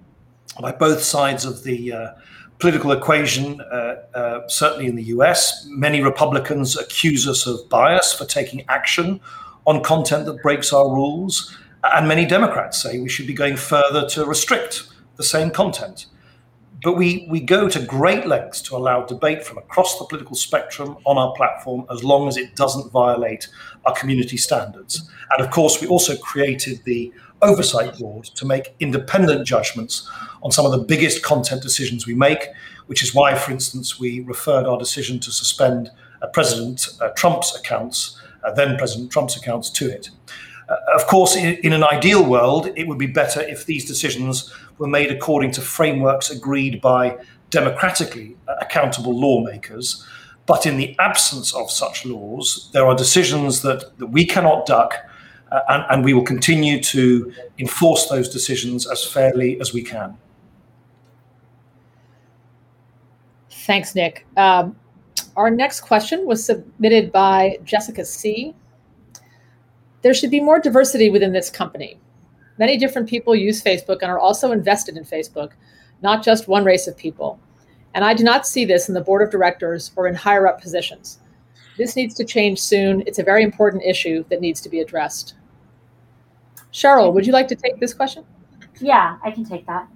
both sides of the political equation. Certainly in the U.S., many Republicans accuse us of bias for taking action on content that breaks our rules. Many Democrats say we should be going further to restrict the same content. We go to great lengths to allow debate from across the political spectrum on our platform as long as it doesn't violate our community standards. Of course, we also created the Oversight Board to make independent judgments on some of the biggest content decisions we make, which is why, for instance, we referred our decision to suspend President Trump's accounts, then President Trump's accounts to it. Of course, in an ideal world, it would be better if these decisions were made according to frameworks agreed by democratically accountable lawmakers. In the absence of such laws, there are decisions that we cannot duck. We will continue to enforce those decisions as fairly as we can. Thanks, Nick. Our next question was submitted by Jessica C. There should be more diversity within this company. Many different people use Facebook and are also invested in Facebook, not just one race of people. I do not see this in the board of directors or in higher up positions. This needs to change soon. It's a very important issue that needs to be addressed. Sheryl, would you like to take this question? Yeah, I can take that.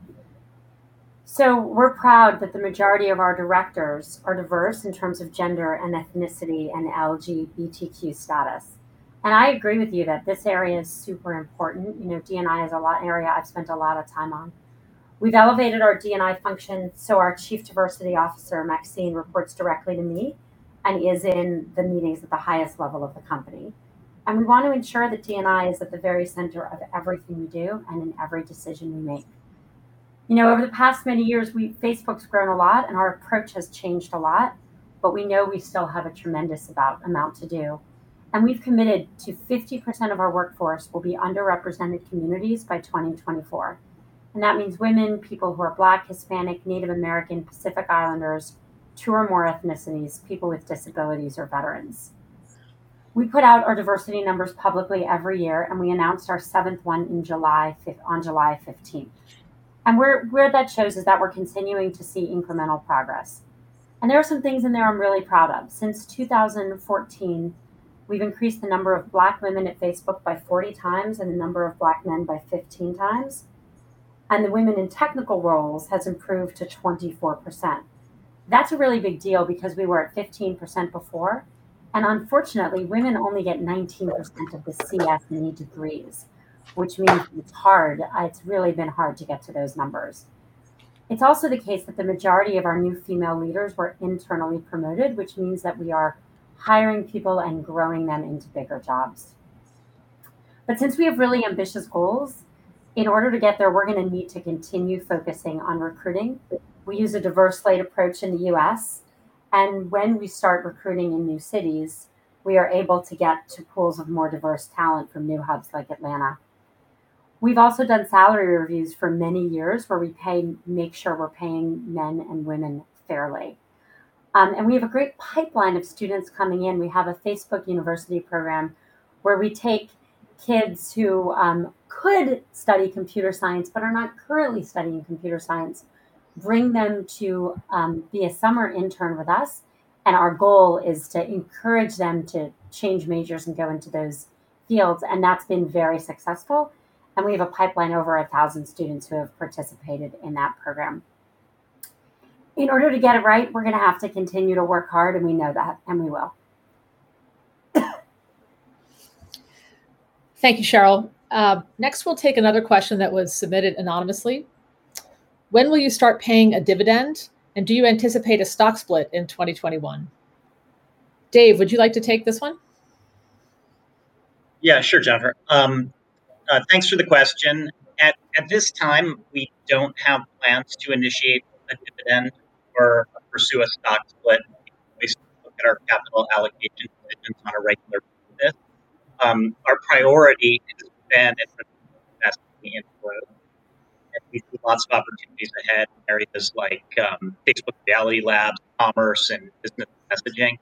We're proud that the majority of our directors are diverse in terms of gender and ethnicity and LGBTQ status. I agree with you that this area is super important. You know, D&I is a area I've spent a lot of time on. We've elevated our D&I function so our Chief Diversity Officer, Maxine, reports directly to me and is in the meetings at the highest level of the company. We want to ensure that D&I is at the very center of everything we do and in every decision we make. You know, over the past many years, Facebook's grown a lot, and our approach has changed a lot, but we know we still have a tremendous amount to do. We've committed to 50% of our workforce will be underrepresented communities by 2024. That means women, people who are Black, Hispanic, Native American, Pacific Islanders, two or more ethnicities, people with disabilities, or veterans. We put out our diversity numbers publicly every year. We announced our seventh one on July 15th. Where that shows is that we're continuing to see incremental progress. There are some things in there I'm really proud of. Since 2014, we've increased the number of Black women at Facebook by 40x and the number of Black men by 15x. The women in technical roles has improved to 24%. That's a really big deal because we were at 15% before. Unfortunately, women only get 19% of the CS and E degrees, which means it's really been hard to get to those numbers. It's also the case that the majority of our new female leaders were internally promoted, which means that we are hiring people and growing them into bigger jobs. Since we have really ambitious goals, in order to get there, we're going to need to continue focusing on recruiting. We use a diverse slate approach in the U.S., and when we start recruiting in new cities, we are able to get to pools of more diverse talent from new hubs like Atlanta. We've also done salary reviews for many years where make sure we're paying men and women fairly. And we have a great pipeline of students coming in. We have a Facebook University program where we take kids who, could study computer science but are not currently studying computer science, bring them to, be a summer intern with us, and our goal is to encourage them to change majors and go into those fields, and that's been very successful. We have a pipeline over 1,000 students who have participated in that program. In order to get it right, we're gonna have to continue to work hard, and we know that, and we will. Thank you, Sheryl. Next, we'll take another question that was submitted anonymously. When will you start paying a dividend, and do you anticipate a stock split in 2021? Dave, would you like to take this one? Jennifer, thanks for the question. At this time, we don't have plans to initiate a dividend or pursue a stock split based on our capital allocation decisions on a regular basis. Our priority has been is to investing in growth as we see lots of opportunities ahead in areas like Facebook Reality Labs, commerce, and business messaging.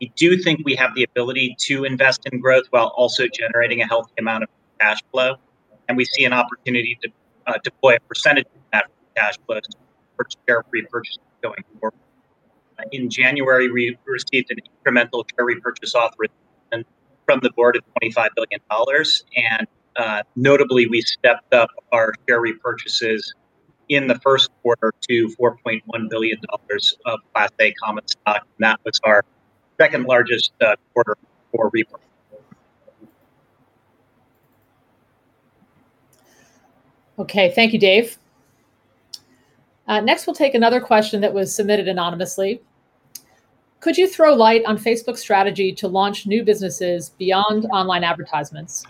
We do think we have the ability to invest in growth while also generating a healthy amount of cash flow, we see an opportunity to deploy a percentage of that cash flow to share repurchase going forward. In January, we received an incremental share repurchase authorization from the board of $25 billion. Notably, we stepped up our share repurchases in the first quarter to $4.1 billion of Class A common stock. That was our second-largest quarter for repurchase. Okay. Thank you, Dave. Next we'll take another question that was submitted anonymously. Could you throw light on Facebook's strategy to launch new businesses beyond online advertisements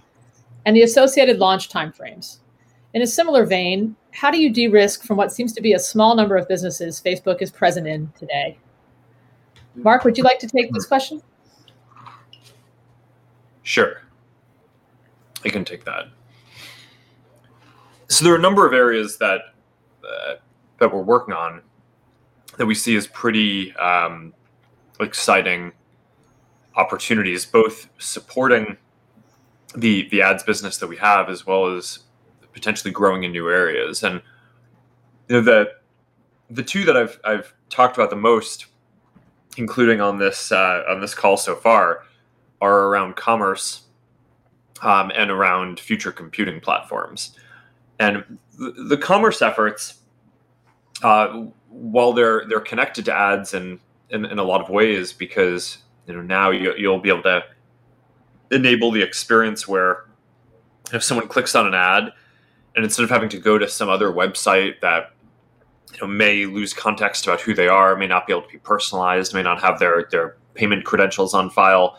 and the associated launch time frames? In a similar vein, how do you de-risk from what seems to be a small number of businesses Facebook is present in today? Mark, would you like to take this question? Sure. I can take that. There are a number of areas that we're working on that we see as pretty exciting opportunities, both supporting the ads business that we have, as well as potentially growing in new areas. You know, the two that I've talked about the most, including on this call so far, are around commerce and around future computing platforms. The commerce efforts, while they're connected to ads in a lot of ways because, you know, now you'll be able to enable the experience where if someone clicks on an ad, instead of having to go to some other website that, you know, may lose context about who they are, may not be able to be personalized, may not have their payment credentials on file,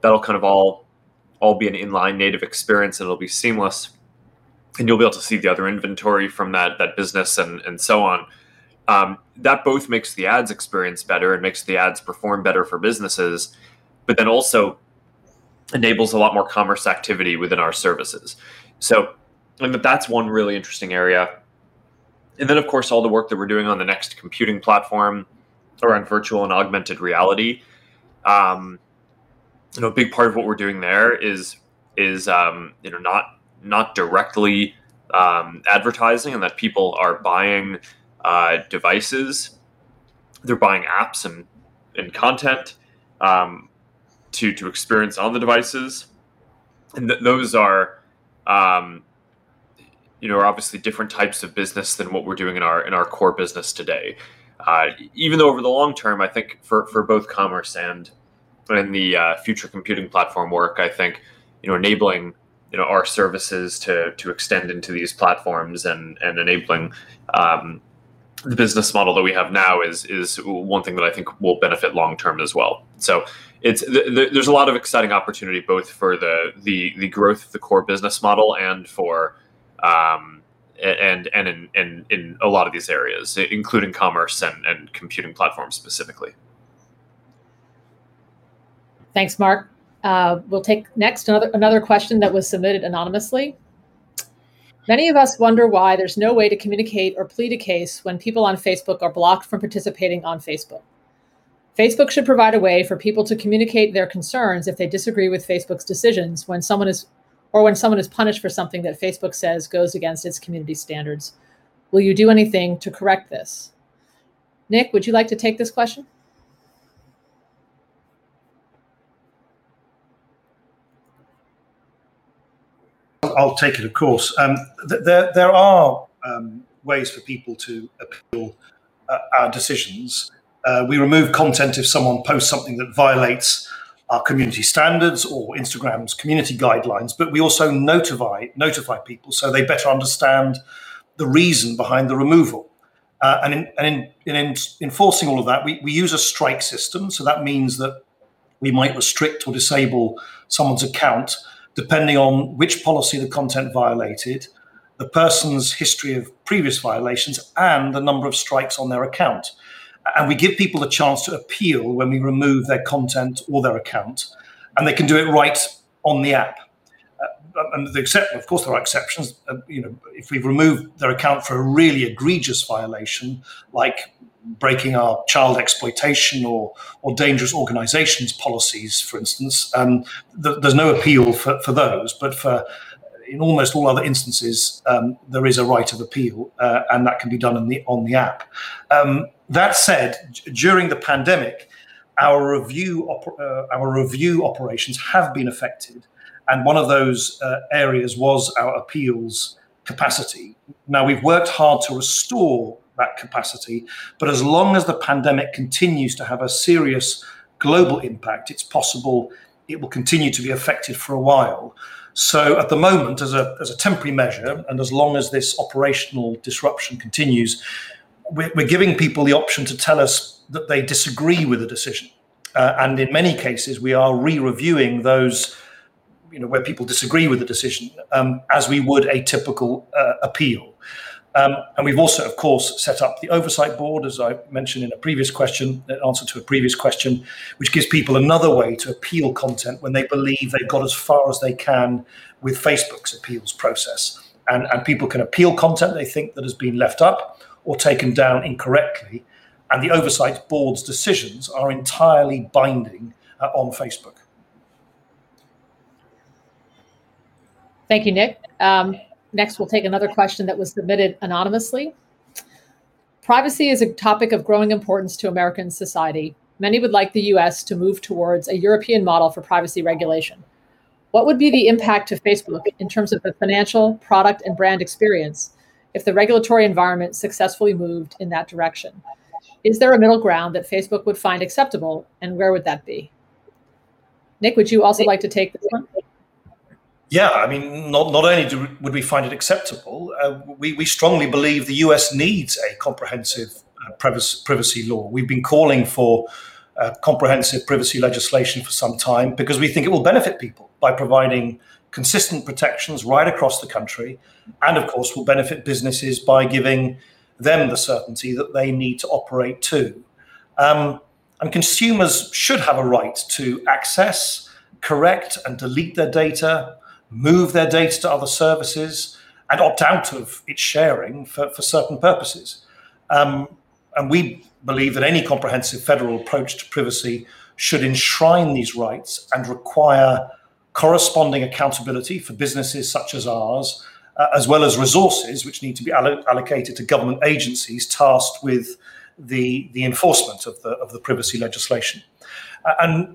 that'll kind of all be an inline native experience and it'll be seamless, and you'll be able to see the other inventory from that business and so on. That both makes the ads experience better and makes the ads perform better for businesses, also enables a lot more commerce activity within our services. I mean, that's one really interesting area. Of course all the work that we're doing on the next computing platform around virtual and augmented reality. You know, a big part of what we're doing there is, you know, not directly advertising in that people are buying devices, they're buying apps and content to experience on the devices. Those are, you know, obviously different types of business than what we're doing in our core business today. Even though over the long term, I think for both commerce and the future computing platform work, I think, you know, enabling, you know, our services to extend into these platforms and enabling the business model that we have now is one thing that I think will benefit long term as well. It's, there's a lot of exciting opportunity both for the growth of the core business model and for, and in a lot of these areas, including commerce and computing platforms specifically. Thanks, Mark. We'll take next another question that was submitted anonymously. Many of us wonder why there's no way to communicate or plead a case when people on Facebook are blocked from participating on Facebook. Facebook should provide a way for people to communicate their concerns if they disagree with Facebook's decisions when someone is punished for something that Facebook says goes against its community standards. Will you do anything to correct this? Nick, would you like to take this question? I'll take it, of course. There are ways for people to appeal our decisions. We remove content if someone posts something that violates our community standards or Instagram's community guidelines, but we also notify people so they better understand the reason behind the removal. In enforcing all of that, we use a strike system, so that means that we might restrict or disable someone's account depending on which policy the content violated, the person's history of previous violations, and the number of strikes on their account. We give people the chance to appeal when we remove their content or their account, and they can do it right on the app. Of course there are exceptions. You know, if we've removed their account for a really egregious violation like breaking our child exploitation or dangerous organizations policies, for instance, there's no appeal for those. For, in almost all other instances, there is a right of appeal, and that can be done on the app. That said, during the pandemic, our review operations have been affected, and one of those areas was our appeals capacity. Now, we've worked hard to restore that capacity, but as long as the pandemic continues to have a serious global impact, it's possible it will continue to be affected for a while. At the moment, as a temporary measure, and as long as this operational disruption continues, we're giving people the option to tell us that they disagree with a decision. In many cases, we are re-reviewing those, you know, where people disagree with the decision, as we would a typical appeal. We've also, of course, set up the Oversight Board, as I mentioned in a previous question, in answer to a previous question, which gives people another way to appeal content when they believe they've got as far as they can with Facebook's appeals process. People can appeal content they think that has been left up or taken down incorrectly, and the Oversight Board's decisions are entirely binding on Facebook. Thank you, Nick. Next we'll take another question that was submitted anonymously. Privacy is a topic of growing importance to American society. Many would like the U.S. to move towards a European model for privacy regulation. What would be the impact to Facebook in terms of the financial, product, and brand experience if the regulatory environment successfully moved in that direction? Is there a middle ground that Facebook would find acceptable, and where would that be? Nick, would you also like to take this one? Yeah, I mean, not only would we find it acceptable, we strongly believe the U.S. needs a comprehensive privacy law. We've been calling for comprehensive privacy legislation for some time because we think it will benefit people by providing consistent protections right across the country, and of course, will benefit businesses by giving them the certainty that they need to operate too. Consumers should have a right to access, correct, and delete their data, move their data to other services, and opt out of its sharing for certain purposes. We believe that any comprehensive federal approach to privacy should enshrine these rights and require corresponding accountability for businesses such as ours, as well as resources which need to be allocated to government agencies tasked with the enforcement of the privacy legislation.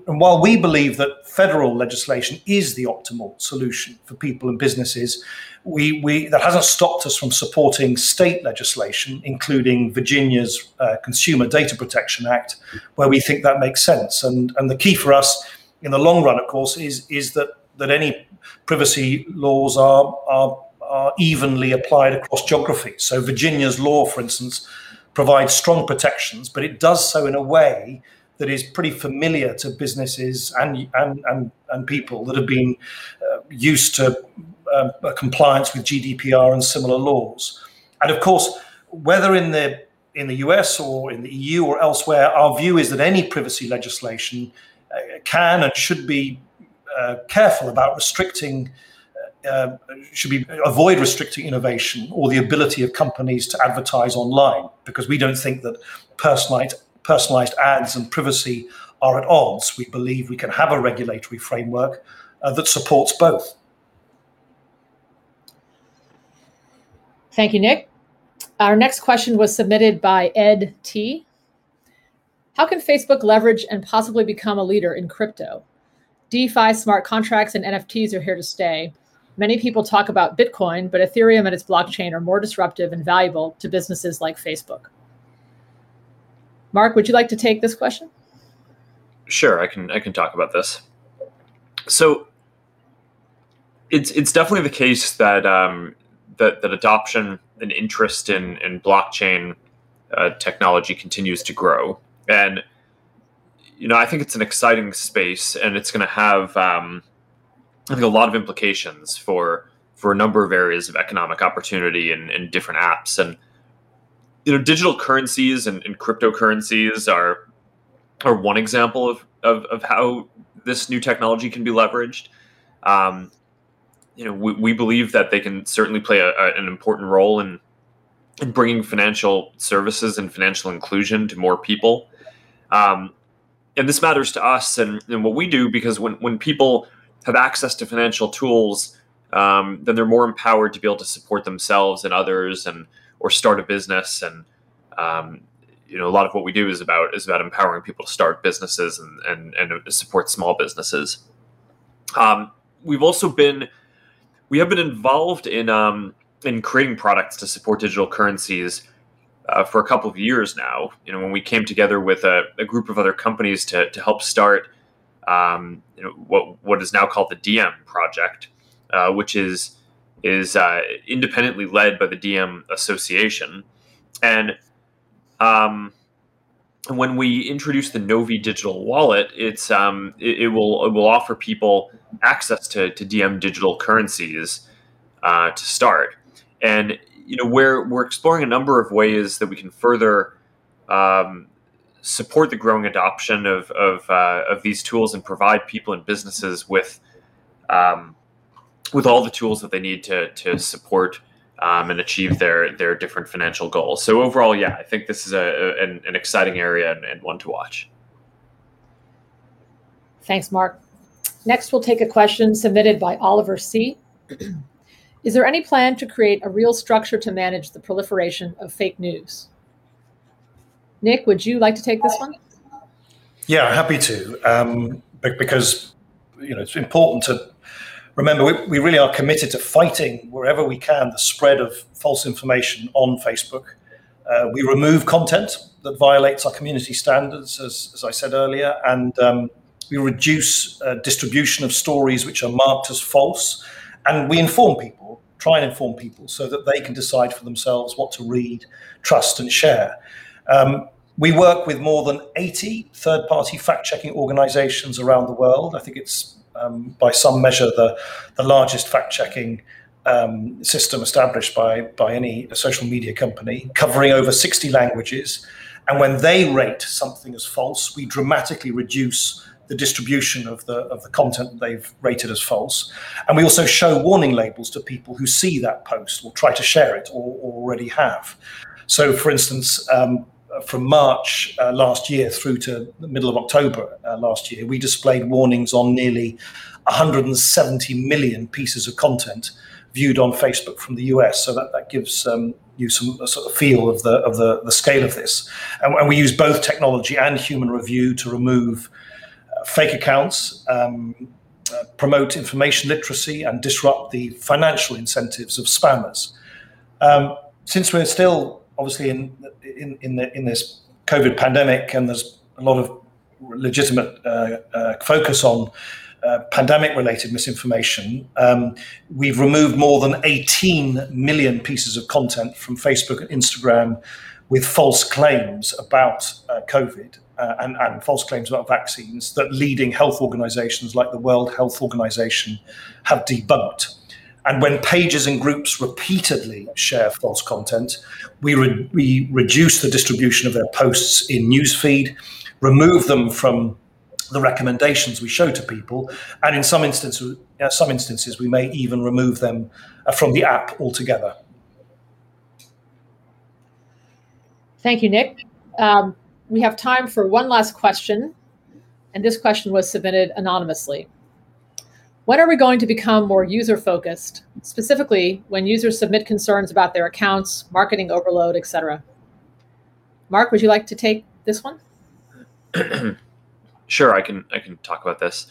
While we believe that federal legislation is the optimal solution for people and businesses, that hasn't stopped us from supporting state legislation, including Virginia's Consumer Data Protection Act, where we think that makes sense. The key for us in the long run, of course, is that any privacy laws are evenly applied across geography. So Virginia's law, for instance, provides strong protections, but it does so in a way that is pretty familiar to businesses and people that have been used to compliance with GDPR and similar laws. Of course, whether in the U.S. or in the EU or elsewhere, our view is that any privacy legislation can and should avoid restricting innovation or the ability of companies to advertise online. We don't think that personalized ads and privacy are at odds. We believe we can have a regulatory framework that supports both. Thank you, Nick. Our next question was submitted by Ed T. How can Facebook leverage and possibly become a leader in crypto? DeFi smart contracts and NFTs are here to stay. Many people talk about Bitcoin, but Ethereum and its blockchain are more disruptive and valuable to businesses like Facebook. Mark, would you like to take this question? Sure, I can talk about this. It's definitely the case that adoption and interest in blockchain technology continues to grow. You know, I think it's an exciting space, and it's gonna have, I think a lot of implications for a number of areas of economic opportunity in different apps. You know, digital currencies and cryptocurrencies are one example of how this new technology can be leveraged. You know, we believe that they can certainly play an important role in bringing financial services and financial inclusion to more people. This matters to us and what we do because when people have access to financial tools, then they're more empowered to be able to support themselves and others and, or start a business. You know, a lot of what we do is about empowering people to start businesses and support small businesses. We have been involved in creating products to support digital currencies for a couple of years now, you know, when we came together with a group of other companies to help start, you know, what is now called the Diem Project, which is independently led by the Diem Association. When we introduce the Novi Digital Wallet, it will offer people access to Diem digital currencies to start. You know, we're exploring a number of ways that we can further support the growing adoption of these tools and provide people and businesses with all the tools that they need to support and achieve their different financial goals. Overall, yeah, I think this is an exciting area and one to watch. Thanks, Mark. Next, we'll take a question submitted by Oliver C. Is there any plan to create a real structure to manage the proliferation of fake news? Nick, would you like to take this one? Yeah, happy to. Because, you know, it's important to remember we really are committed to fighting wherever we can the spread of false information on Facebook. We remove content that violates our community standards as I said earlier, and we reduce distribution of stories which are marked as false, and we inform people, try and inform people so that they can decide for themselves what to read, trust, and share. We work with more than 80 third-party fact-checking organizations around the world. I think it's by some measure the largest fact-checking system established by any social media company, covering over 60 languages, and when they rate something as false, we dramatically reduce the distribution of the content they've rated as false. We also show warning labels to people who see that post or try to share it or already have. For instance, from March last year through to the middle of October last year, we displayed warnings on nearly 170 million pieces of content viewed on Facebook from the U.S., so that gives you some sort of feel of the scale of this. We use both technology and human review to remove fake accounts, promote information literacy and disrupt the financial incentives of spammers. Since we're still obviously in the COVID pandemic and there's a lot of legitimate focus on pandemic-related misinformation, we've removed more than 18 million pieces of content from Facebook and Instagram with false claims about COVID and false claims about vaccines that leading health organizations like the World Health Organization have debunked. When pages and groups repeatedly share false content, we reduce the distribution of their posts in News Feed, remove them from the recommendations we show to people, and in some instances, we may even remove them from the app altogether. Thank you, Nick. We have time for one last question. This question was submitted anonymously. When are we going to become more user-focused, specifically when users submit concerns about their accounts, marketing overload, et cetera? Mark, would you like to take this one? Sure, I can talk about this.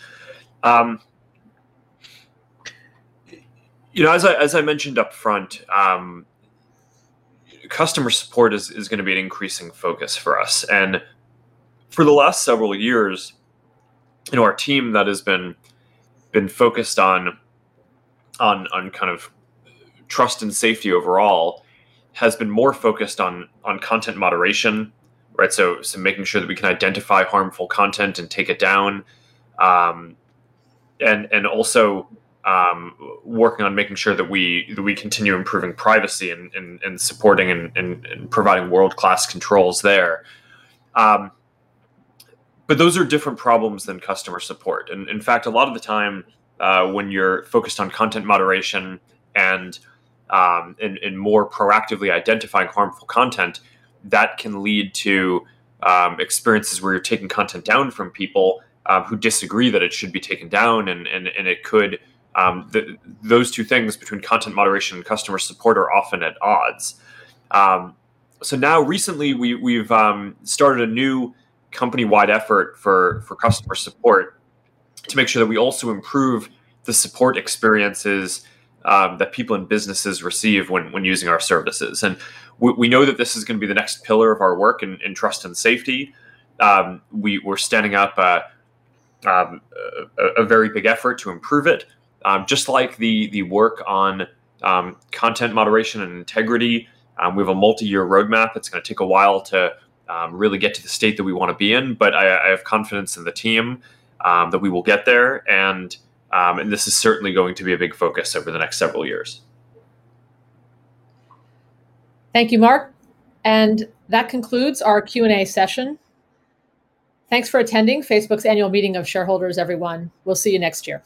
you know, as I mentioned upfront, customer support is gonna be an increasing focus for us. For the last several years, you know, our team that has been focused on kind of trust and safety overall has been more focused on content moderation, right? So making sure that we can identify harmful content and take it down. Also working on making sure that we continue improving privacy and supporting and providing world-class controls there. Those are different problems than customer support. In fact, a lot of the time, when you're focused on content moderation and more proactively identifying harmful content, that can lead to experiences where you're taking content down from people who disagree that it should be taken down, and it could, those two things between content moderation and customer support are often at odds. Now recently we've started a new company-wide effort for customer support to make sure that we also improve the support experiences that people and businesses receive when using our services. We know that this is gonna be the next pillar of our work in trust and safety. We're standing up a very big effort to improve it. Just like the work on, content moderation and integrity, we have a multi-year roadmap. It's gonna take a while to, really get to the state that we wanna be in. I have confidence in the team, that we will get there. This is certainly going to be a big focus over the next several years. Thank you, Mark. That concludes our Q&A session. Thanks for attending Facebook's annual meeting of shareholders, everyone. We'll see you next year.